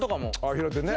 平手ね